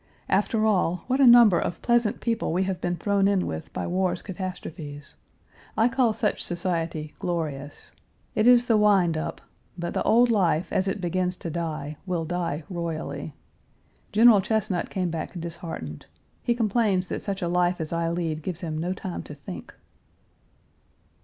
After all, what a number of pleasant people we have been thrown in with by war's catastrophes. I call such society glorious. It is the windup, but the old life as it begins to die will die royally. General Chesnut came back disheartened. He complains that such a life as I lead gives him no time to think.